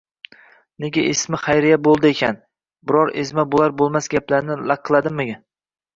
Nega ismi Xayriya bo'ldi ekan? Biror ezma bo'lar-bo'lmas gaplarni laqilladimi?